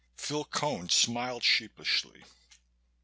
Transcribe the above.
Phil Cone smiled sheepishly.